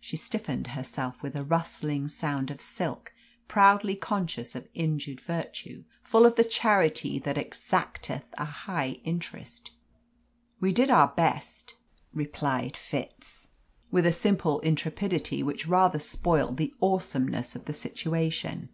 She stiffened herself with a rustling sound of silk, proudly conscious of injured virtue, full of the charity that exacteth a high interest. "We did our best," replied Fitz, with a simple intrepidity which rather spoilt the awesomeness of the situation.